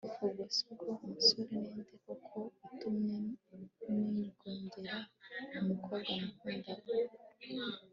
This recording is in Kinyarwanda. ubwo se uwo musore ninde koko utumye nigongera umukobwa nakundaga